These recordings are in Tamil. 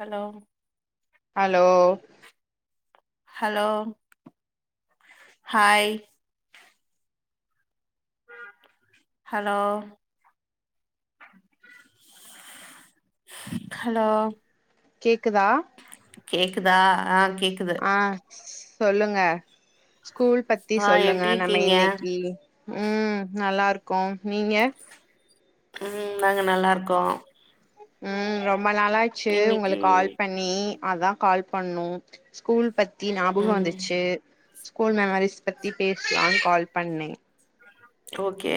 hello hello hello hi hello hello கேக்குதா கேக்குதா ஆ கேக் ஆ சொல்லுங்க ஸ்கூல் பத்தி ஆ சொல்லுங்க எப்டி நம்ம இருக்கீங்க இன்னக்கி ம் நல்லாருக்கோ நீங்க ம் நாங்க நல்லாருக்கோ ம் ரொம்ப நாளாச்சு இன்னைக்கு உங்களுக் கால் பண்ணி அதா கால் பண்ணோ ஸ்கூல் பத்தி ஞாபகம் ம் வந்துச்சு ஸ்கூல் மெமரிஸ் பத்தி பேஸ்லான்னு கால் பண்ணே ஓகே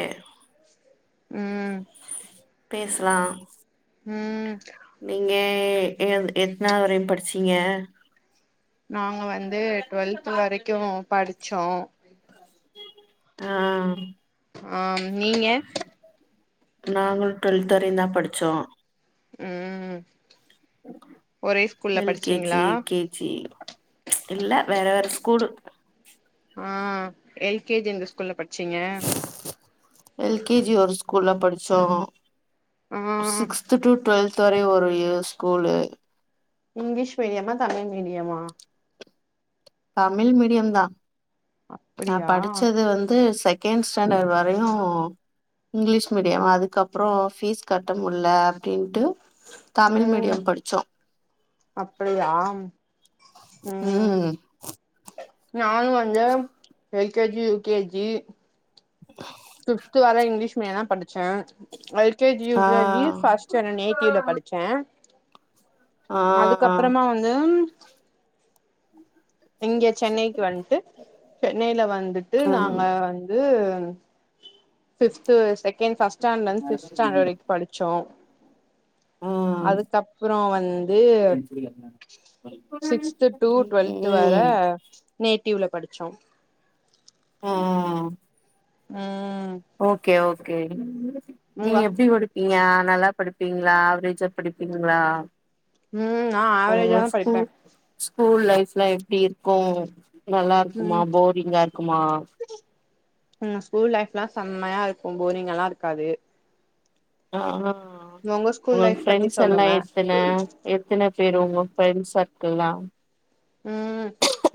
ம் பேஸ்லா ம் நீங்க எ எத்னாது வரையு படிச்சிங்க நாங்க வந்து டுவெல்த் வரைக்கு படிச்சோ ஆ ஆ நீங்க நாங்களு டுவெல்த் வரையு தா படிச்சோ ம் ஒரே ஸ்கூல்ல படிச்சீங்களா சீ இல்ல வேற வேற ஸ்கூல் ஆ எல் கே ஜி இந்த ஸ்கூ ஸ்கூல்ல படிச்சீங்க எல் கே ஜி ஒரு ஸ்கூல்ல படிச்சோ ஆ சிக்ஸ்து டு டுவெல்த் வரை ஒரே ஸ்கூலு இங்கிலீஷ் மீடியமா தமிழ் மீடியமா தமிழ் மீடியோ தா நா அப்படியா படிச்சது வந்து செகண்ட் ஸ்டாண்டர்ட் வரையு இங்கிலீஷ் மீடியோ அதுக்கப்பறோ ஃபீஸ் கட்டமுடில அப்டிண்ட்டு தமிழ் ம் மீடியோ படிச்சோ அப்படியா ம் நானு வந்து L K G U K G fifth வர இங்கிலீஷ் மீடியோ தா படிச்ச எல் கே ஜி யு ஆ கே ஜி ஃபர்ஸ் ச்சன நேட்டிவ்ல படிச்சே ஆ அதுக்கப்பறமா வந்து இங்க சென்னைக்கு வன்ட்டு சென்னையில வந்துட்டு ம் நாங்க ந்து ஃப்பித் செகண்ட் ஃபர்ஸ்ட் ஸ்டாண்டர்டிலிருந்து ஃப்பித் ஸ்டாண்டர்ட் வரைக்கு படி சொவ் ம் அதுக்கப்பறோ வந்து சிக்ஸ்து டு டுவெல்த் வர ம் நேட்டிவ்ல படிச்சோ ம் ம் ம் ஓகே ஓகே உங்க நீங்க எப்டி படி நீங்க நல்லா படிப்பீங்களா ஆவரேஜா படிப்பீங்களா ம் நா ஆ ஆவரேஜா தா ஸ்கூ படிப்பே ஸ்கூல் லைப்ல எப்டி இருக்கு நல்லா இருக்குமா ம் போரிங்கா இருக்குமா ம் ஸ்கூல் லைஃப் எல்லா செம்மையா இருக்கு போரிங் ஆ லா இருக்காது ஆ உங்க ஸ்கூல் உங்களுக்கு லைஃப் பத்தி ஃப்ரெண்ட்ஸ் எல்லா சொல்லுங்க எத்தின எத்தன பேர் உங்க ஃப்ரெண்ட்ஸ் சர்க்கிள்லா ம்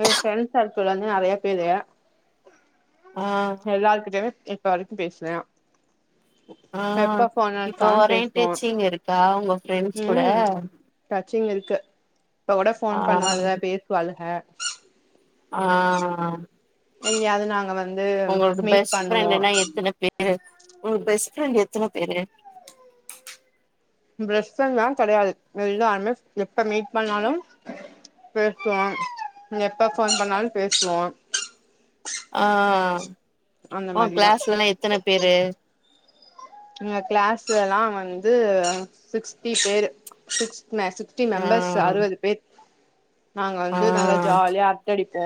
எ ஃப்ரெண்ட் சர்க்கிள் வந்து நெறைய பேரு ஆ எல்லாருக்கிட்டையுமே இப்போ வரைக்கு பேசுவே ஆ எப்ப போனாலு இப்ப தா வரையு பேசுவோ டச்சிங் இருக்கா உங்க ஃப்ரெண்ட்ஸ் கூட ம் டச்சிங் இருக்கு இப்ப கூட ஆ போன் பண்ணுவாளுங்க பேசுவாளுங்க ஆ இல்லயே அது நாங்க வந்து உங்களோட மீட் பெஸ்ட் பண்ணுவோ ஃரெண்ட்னா எத்தன பேரு உங்க பெஸ்ட் ஃப்ரெண்ட் எத்தன பேரு பிரஷ் எல்லா கிடையாது எல்லாருமே [unintelligible] எப்ப மீட் பண்ணாலு பேசுவோ எப்ப போன் பண்ணாலு பேசுவோ ஆ அந்த ஓ மாரிதா கிளாஸ்லல்லா எத்தன பேரு எங்க கிளாஸ் எல்லா வந்து சிக்ஸ்டி பேரு சிக்ஸ் சீஸ்ட்டி ஆ மெம்பர்ஸ் அறுபது பேர் நாங்க ஆ வந்து நல்லா ஜாலியா டடிப்போ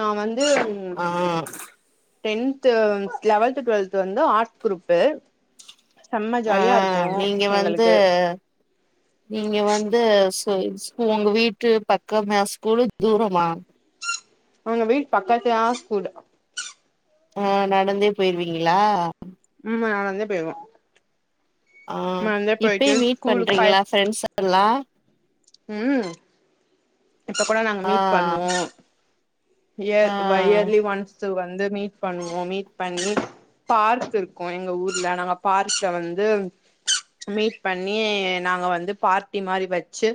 நா வந்து ம் ஆ டென்து லவத்து டொவெல்த் வந்து ஆர்ட்ஸ் குரூப் ஆ நீங்க வந்து எங்களுக்கு நீங்க வந்து சு இது ஸ்கூ உங்க வீட்டு பக்கமா ஸ்கூலு தூரோமா அவ்ங்க வீட்டு பக்கத்துலதா ஸ்கூலு ஆ நடந்தே போய்ருவீங்குளா ம் நா நடந்தே பேய்ர்வ ஆ போயிட்டு இப்பயு மீட் ஸ்கூலுக்கு ப பண்றீங்குளா ஃபிரெண்ட்ஸ் எல்லா ம் இப்ப கூட நாங்க ஆ மீட் பண்ணுவோ ஆ இயர் பை இயர்லி ஒன்ஸ்ட்டு வந்து மீட் பண்ணுவோ மீட் பண்ணி பார்க் இருக்கு எங்க ஊர்ல நாங்க பார்க்ல வந்து மீட் பண்ணி நாங்க வந்து பார்ட்டி மாரி வச்சு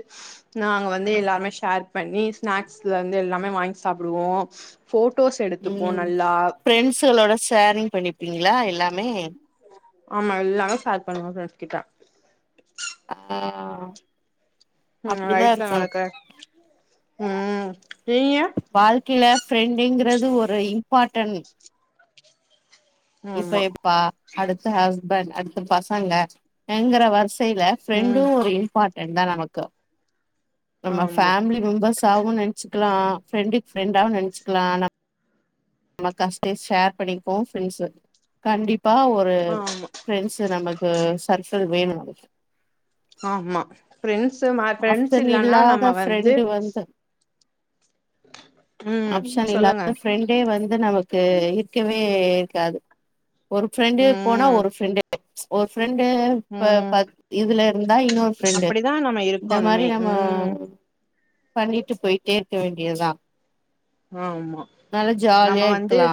நாங்க வந்து எல்லாமே ஷேர் பண்ணி ஸ்நாக்ஸ்ல இருந்து எல்லாமே வாய்ங் சாப்டுவோ ஃபோட்டோஸ் எடு ம் ஃபிரெண்ட்ஸுகளோட ஷேரிங் பண்ணிப்பீங்ளா எல்லாமே ஆமா எல்லாமே ஷேர் பண்ணுவோ ஃபிரெண்ஸ் கிட்ட ஆ நா அப்டிதா லைஃப்ல இருக்கணு நடக்ற ம் நீங்க வாழ்க்கேல ஃபிரெண்டுங்கிறது ஒரு இம்பாட்டன் இப்ப ஆமா எப்டிபா அடுத்து ஹஸ்பண் அடுத்து பசங்க எங்குற வர்ஷ் சேல ஃபிரெண்டு ம் ஒரு இம்பாட்டன்தா நமக்கு நம்ம ஆமா ஃபேமிலி மெம்பர்ஸாவு நென்ச்சுக்லா ஃபிரெண்டுக் ஃபிரெண்டாவு நென்ச்சுக்லா நம்ம கஷ்ட்தே ஷேர் பண்ணிக்கோ ஃபிரெண்ஸு கண்டிப்பா ஒரு ஆமா ஃபிரெண்ஸு நமக்கு சர்க்கிள் வேனு ஆமா ஃபிரெண்ட்ஸு மா ஃபிரெண்ட்ஸ் ஆப்ஷன் இல்லனா இல்லாத நம்ம வந்து ஃப்ரெண்டு வந்து ம் ஆப்ஷன் சொல்லுங்க இல்லாம ஃபிரெண் டே வந்து நமக்கு இருக்கவே இருக்காது ஒரு ஃபிரெண்டு போனா ம் ஒரு ஃபிரெண்டு ஒரு ஃபிரெண்டு இப்ப ம் பத் இதுல இருந்தா இன்னொரு ஃபிரெண்டு அப்படிதா நம்ம இந்த மாரி இருக்கணுமே நம்ம ம் பண்ணிட்டு போய்ட்டே இருக்க வேண்டியதா ஆமா நல்லா நம்ம ஜாலியா வந்து இருக்கலா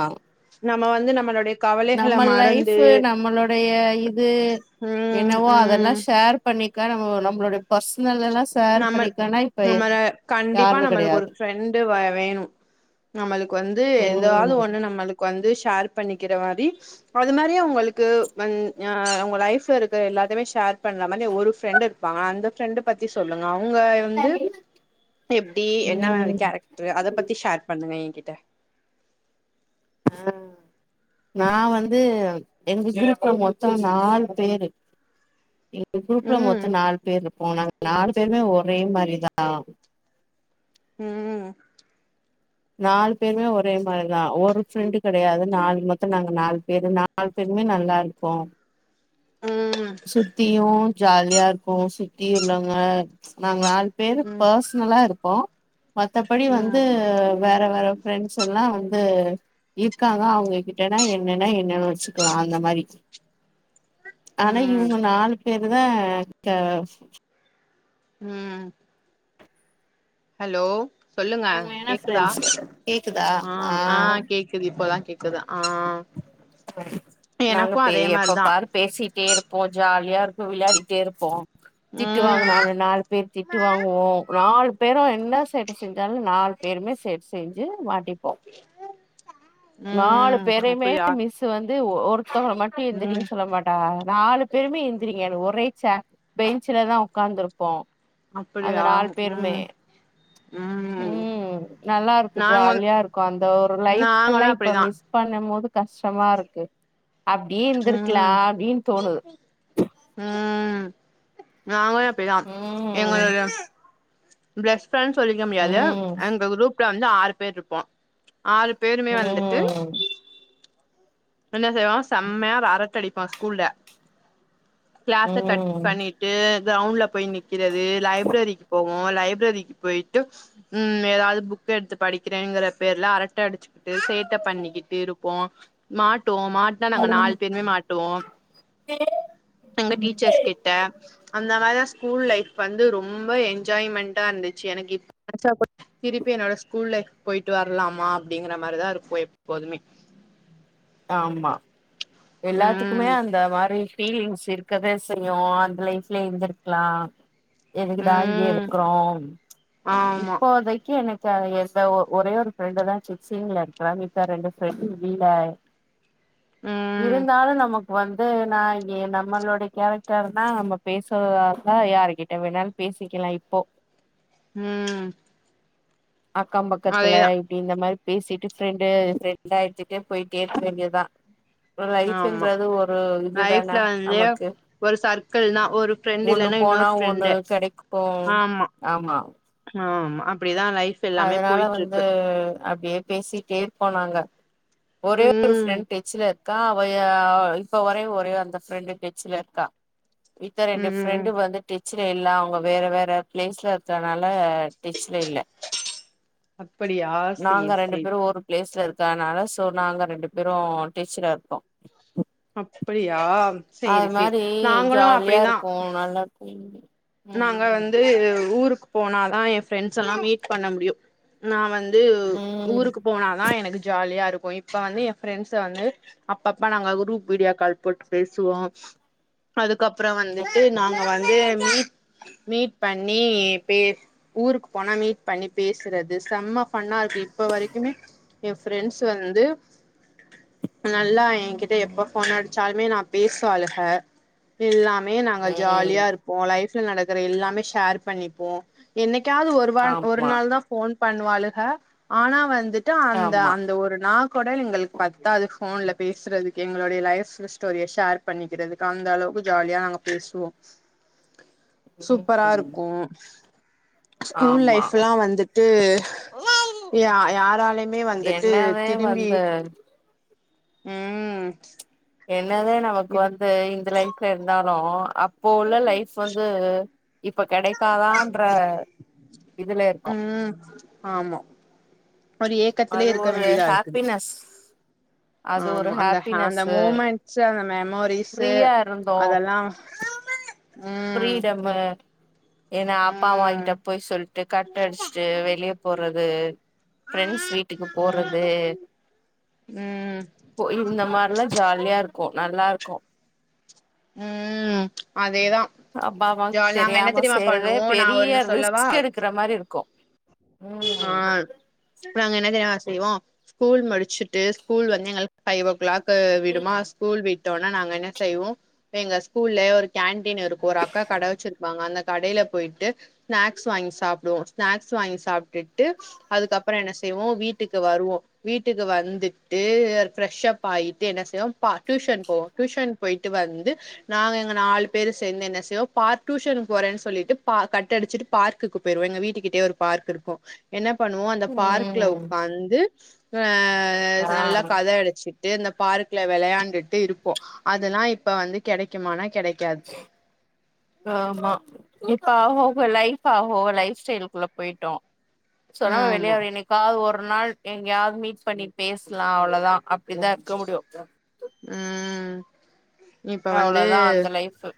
நம்ம வந்து நம்மளோடைய நம்ம லைஃபு நம்மளோடைய இது ம் என்னவோ அதெல்லா ம் ஷேர் பண்ணிக்க நம்ம நம்மளுடைய பர்ஸ்னல்லலாஸ் நம்மள் நம்மள கண்டிப்பா யாருமே நம்மளுக் ஒரு கெடையாது ஃபிரெண்டு வா வேணு நம்மளுக்கு வந்து எதாது ம் ஒன்னு நம்மளுக்கு வந்து ஷேர் பண்ணிக்கிற மாரி அது மாரியே உங்களுக்கு மன் யா உங்க லைஃப்ல இருக்கிற எல்லாத்தமே ஷேர் பண்ற மாரி ஒரு ஃபிரெண்டு் இரு பாங்க அந்த ஃபிரெண்டு பத்தி சொல்லுங்க அவுங்க வந்து எப்டி என்ன மாரி ம் கேரக் ட்ரு அத பத்தி ஷேர் பண்ணுங்க ஏன் கிட்ட ஆ நா வந்து எங்க குரூப்ல மொத்தோ நாலு பேரு எ குரூப்ல ம் மொத்த நாலு பேரு இர்ப்போ நாங்க நாலு பேருமே ஒரே மாரிதா ம் நாலு பேருமே ஒரே மாரிதா ஒரு ஃபிரெண்டு கெடையாது நாலு மொத்த நாங்க நாலு பேருந்தா நாளு பேருமே நல்லா இருக்கோ ம் சுத்தியு ஜாலியா இருக்கு சுத்தி உள்ளவங்க நாங்க நாலு பேரு ம் பாஸ் நல்லா இருக்கு மத்தபடி ம் வந்து வேற வேற ஃப்ரெண்ட்ஸ் எல்லா வந்து இருக்காங்க அவங்ககிட்டனா என்னன்னா என்னன்னு வச்சுக்கலா அந்த மாரி ஆனா ம் இவங்க நாலு பேரு தா கா ம் ஹலோ சொல்லுங்க உண்மையான கேக்குதா ஃப்ரெண்ட்ஸ் கேக்குதா ஆ ஆ கேக் குது இப்ப தா கேக்குது ஆ நாங்க எனக்கு பே அதே எப்ப மாரிதா பாரு பேசிட்டே இருப்போம் ஜாலியா இருக்கும் விளையாடிட்டே இருப்போம் திட்டு வாங்கு ம் நானு நாங்க நாலு பேர் திட்டு வாங்குவோம் நாலு பேரும் என்ன சேட்ட செஞ்சாலும் நாலு பேருமே சேட்ட செஞ்சு மாட்டிப்போம் [inaudible] நாலு ம் பேரையுமே அப்டியா மிஸ்ஸு வந்து ஒ ஒருத்தவங்கள மட்டும் ம் எந்தரின்னு சொல்ல மாட் டா நாலு பேருமே எந்திரீங்க ஒரே சேர் பெஞ்சுலதான் உக்கார்ந்துருப்போம் அந்த அப்டியா நாலு பேருமே ம் ம் நல்லா இருக்கும் நாங்க வந் ஜாலியா இருக்கும் அந்த ஒரு லைப் நாங்களு எல்லாம் இப்ப அப்டிதா மிஸ் பண்ண மோது கஷ்டமாருக்கு அப்படியே ம் இருந்திருக்கலாம் அப்டின்னு தோணுது ம் நாங்களும் அப்படிதான் ம் எங்களோட பெஸ்ட் ஃப்ரெண்ட் சொல்லிக்க முடியாது ம் எங்க குரூப்ல வந்து ஆறு பேர்ருப்போம் ஆறு பேருமே வந்துட்டு ம் என்ன செய்வோம் செம்மையா ரரட்ட அடிப்பா ஸ்கூல்ல க்ளாஸ கட் ம் பண்ணிட்டு க்ரௌண்ட்ல போய் நிக்கிறது லைப்ரரிக்கு போ வோ லைப்ரரிக்கு போயிட்டு ம் ஏதாவது புக் எடுத்து படிக்கிறேங்கற பேருல அரட்ட அடிச்சு டு சேட்ட பண்ணிக்கிட்டு இருப்போ மாட்டுவோ மாட்னா நாங்க நாலு ம் பேருமே மாட்டுவோ எங்க டீச்சர்ஸ் கிட்ட அந்த அதுதா ஸ்கூல் லைஃப் வந்து ரொம்ப என்ஜாய்மென்டா இருந்துச்சு எனக்கு இப்ப நெனச்சா கூட திருப்பி என்னோட ஸ்கூல் லைஃப் போயிட்டு வரலாமா அப்படிங்கிற மாரிதா இருக்கு எப்போதுமே ஆமா எல்லாத்துக் குமே ம் அந்த மாரி பீலிங்ஸ் இருக்கத செய்யு அந்த லைஃப்ல இருந்திருக்கலா எதுக்கு டா இங்கே ம் இருக்குறோ ஆமா இப்போதைக்கு எனக்கு தா எந்த ஒ ஒரே ஒரு ஃப்ரெண்ட தா சிச்சிங்கள இருக்கிறா இப்பா ரெண்டு ஃப்ரெண்ட் இல்லே ம் இருந்தாலும் நமக் வந்து நான் இங்க நம்மளோடைய கேரக்டர் தான் நம்ம பேசுவதா இருந்தா யாருகிட்ட வேணாலு பேசிக்கலாம் இப்போ ம் அக்கம் பக்கத்துல அதேதா இப்படி இந்த மாரி பேசிட்டு ஃப்ரெண்டு ஃப்ரெண்டா எடுத்துட்டு போயிட்டே வேண்டியதான் ஆமா லைஃப்ன்றது ஒரு லைஃப்ல இதுதான வந்து நமக்கு ஒரு சர்க்கள் தா ஒரு ஃப்ரெண்ட் ஒண்ணு இல்லைன்னா போனா இன்னொரு ஒண்ணு ஃப்ரெண்டு கெடைக்கு ஆமா ஆமா ஆமா அப்படிதான் லைஃப் எல்லாமே அதனால வந்து போயிட்ருக்கு அப்படியே பேசிட்டேருபோனாங்க ஒரே ஒரு ம் ஃப்ரெண்ட் டெச்சுலர் கா அவ ஏ இப்ப ஒரே ஒரே அந்த ஃப்ரெண்டு டெச்சுல இருக்கா இந்த ரெண்டு ம் ம் ம் ஃப்ரெண்ட்டு வந்து டெச்சுல இல்ல அவங்க வேற வேற பிளேஸ்ல இருக்றனால டெச்சுல இல்ல அப்படியா நாங்க சேரி ரெண்டு சேரி பேரு ஒரு பிளேஸ்ல இருக்கனால சோ நாங்க ரெண்டு பேரும் டீச்சரா இருக்கோ அப்படியா அது சேரி சேரி நாங்களு அப்டிதா நல்லாருக்கு நாங்க வந்து ஊருக்கு போனாதா என் ஃரெண்ட்ஸ்ஸெல்லா மீட் பண்ண முடியு நா வந்து ம் ஊருக்கு போனாதா எனக்கு ஜாலியா இருக்கு இப்ப வந்து என் ஃப்ரெண்ட்ஸ வந்து அப்பப்ப நாங்க குரூப் வீடியாக்கால் போட்டு பேசுவோ அதுக்கப்றோ வந்துட்டு ம் நாங்க வந்து மீட் மீட் பண்ணி பேசு ஊருக்கு போனா மீட் பண்ணி பேசுறது செம்ம ஃபண்ணா இருக்கு இப்ப வரைக்குமே எ ஃப்ரெண்ட்ஸ் வந்து நல்லா என்கிட்ட எப்ப போன் அடிச்சாலுமே நா பேசுவாளுக எல்லாமே நாங்க ம் ஜாலியா இருப்போ லைஃப்ல நடக்ற எல்லாமே ஷேர் பண்ணிப்போ என்னைக்காவது ஒரு வால் ஒரு ஆமா நாள் தா ஃபோன் பண்ணுவாளுக ஆனா வந்துட் அந்த ஆமா அந்த ஒரு நா கொட எங்களுக்கு பத்தாது ஃபோன்ல பேசுறதுக்கு எங்களுடைய லைஃப் ஸ்டோரிய ஷேர் பண்ணிக்கிறது அந்த அளவுக்கு ஜாலியா நாங்க பேசுவோ சூப்பரா ம் இருக்கு ஸ்கூல் ஆமா லைஃப்ல்லா வந்துட்டு யா யாராலயுமே வந்துட்டு என்னதே திரும்பி வந்து ம் என்னதே நமக்கு இது வந்து இந்த லைஃப்ல இருந்தாலு இப்போ உள்ள லைஃப் வந்து இப்ப கிடைக்காதான்ற இதுல இருக்கு ம் ஆமா ஒரு ஏக்கத்திலயே அது இருக்க ஒரு வேண்டியதா இருக்குது ஹாப்பினஸ் உ அது ஒரு ஆமா அந்த ஹ அந்த ஹாப்பினஸ்ஸு மூமெண்ட்ஸ்ஸு அந்த மெமோரிஸ்ஸு ஃப்ரீயா இருந்தோ அதெல்லா [inaudible] ம் ஃப்ரிடம்மு ஏன்னா அப்பா அம்மா ம் கிட்ட பொய் சொல்ட்டு கட் அடிச்ட்டு வெளிய போறது ஃப்ரெண்ட்ஸ் வீட்டுக்கு போறது ம் இந்த மார்லா ஜாலியா இருக்கு நல்லாருக்கு ம் அதேதா அப்பா ஜா அம்மாக்கு நாங்க என்ன தெரியாம தெரியுமா செய்றதே பண்ணுவோ நா பெரிய ஒன்னு சொல்லவா ரிஸ்க் எடுக்ற மாரி இருக்கு ஆ ம் நாங்க என்ன தெரியுமா செய்வோ ஸ்கூல் முடிச்சுட்டு ஸ்கூல் வந்து எங்களுக்கு ஃபைவ் ஓ க்ளாக் க்கு ம் விடுமா ஸ்கூல் விட்டோன்னே நாங்க என்ன செய்வோ எங்க ஸ்கூல்ல ஒரு கேன்டீன் இருக்கு ஒரு அக்கா கட வச்சிருப்பாங்க அந்த கடையில பொயிட்டு ஸ்நாக்ஸ் வாங்கி சாப்டுவோ ஸ்நாக்ஸ் வாங்கி சாப்ட்டுட்டு அதுக்கப்றோ என்ன செய்வோ வீட்டுக்கு வருவோ வீட்டுக்கு வந்துட்டு ஃப்ரெஷ் அப் ஆயிட்டு என்ன செய்வோ டியூஷன் போவோ டியூஷன் பொயிட்டு வந்து நாங்க எங்க நாலு பேரு சேந்து என்ன செய்வோ பார் டியூசன் போறேன்னு சொல்லிட்டு கட் அடிச்சுட்டு பார்க் குக்கு பெய்ருவோ எங்க வீட்டுக்கிட்டேயே ஒரு பார்க் இருக்கு என்ன பண்ணுவோ அந்த பார்க்ல ம் உக்காந்து ஆ ஆ நல்லா கத அடிச்சி சிட்டு இந்த பார்க்ல வெளையாண்டுட்டு இருப்போ அதெல்லா இப்ப வந்து கெடைக்குமானா கெடைக்காது [unintelligible] [inaudible] ஆமா இப்ப அவுங்கவுங்க லைஃப் அவுங்கவுங்க லைஃப் ஸ்டைலுக்குள்ள போயிட்டோ சொன்னா ஆமா வெளியாற எனக்கு க்காவது ஒரு நாள் எங்கயாவது மீட் பண்ணி பேசலா அவ்வளதா அப்படிதா இருக்க முடியு ஆ இப்ப வந்து அவ்ளோதா அந்த லைஃபு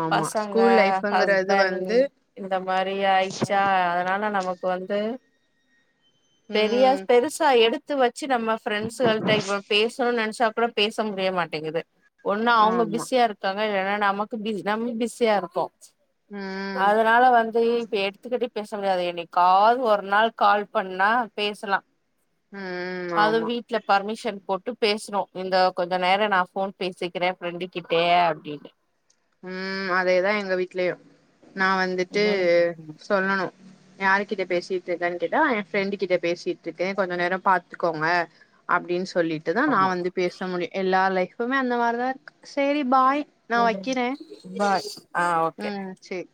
ஆமா பசங்க ஸ்கூல் லைஃப்ங்கிறது ஹஸ்பண்ட் வந்து இந்த மாரி ஆயிச்சா அதனால நமக் கு வந்து பெரியா ம் பெருசா எடுத் த்து வச்சு நம்ம ஃப்ரெண்ட்ஸுகள்ட்ட இப்ப பேசணுனு நினைச்சா கூட பேச முடிய மாட்டேங்குது ஒன்னு அவங்க ஆமா பிஸியா இருக்காங்க இல்லன்னா நமக்கு பிஸ் நம்ம பிஸியா இருக்கோ ம் அதுனால வந்து இப்ப எடுத் அத்துக்கட்டி பேச முடியாது என்னைக்காவது ஒரு நாள் கால் பண்ணா பேசலா ம் அது ஆமா வீட்ல பர்மிஷன் போட்டு பேசனோ இந்த கொஞ்ச நேர நா ஃபோன் பேசிக்கிறே ஃப்ரெண்டு கிட்டே அப்டின்னு ம் அதேதா எங்க வீட்லயும் நான் வந்துட்டு ம் ம் சொல்லணு யாரு கிட்ட பேசிட்டு இருக்கன்னு கேட்டா என் ஃப்ரெண்டு கிட்ட பேசிட்டு இருக்கே கொஞ்ச நேரோ பாத்துக்கோங்க அப்டின்னு சொல்லிட்டுதா நா ஆமா வந்து பேச முடியு எல்லா லைஃபுமே அந்த மாரிதா இருக்கு செரி பாய் நா வைக்கிறே பாய் ஆ ஓகே செர்